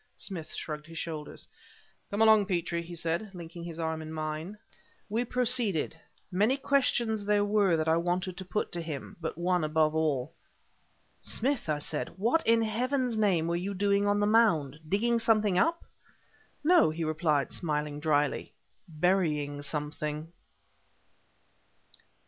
Smith shrugged his shoulders. "Come along, Petrie," he said, linking his arm in mine. We proceeded. Many questions there were that I wanted to put to him, but one above all. "Smith," I said, "what, in Heaven's name, were you doing on the mound? Digging something up?" "No," he replied, smiling dryly; "burying something!"